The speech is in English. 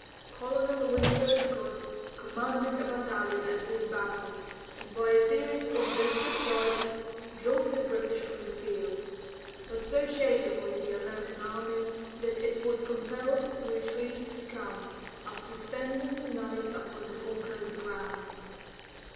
Colonel Winfield Scott commanded a battalion at this battle, and by a series of desperate charges drove the British from the field. But so shaken was the American army that it was compelled to retreat to camp, after spending the night upon the conquered ground.